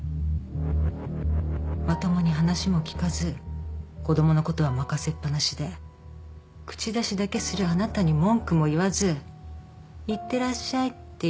まともに話も聞かず子供のことは任せっ放しで口出しだけするあなたに文句も言わず「いってらっしゃい」って言えたか分かる？